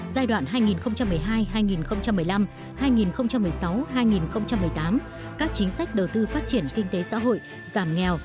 giai đoạn hai nghìn một mươi hai hai nghìn một mươi năm hai nghìn một mươi sáu hai nghìn một mươi tám các chính sách đầu tư phát triển kinh tế xã hội giảm nghèo